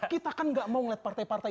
kita kan gak mau ngeliat partai partai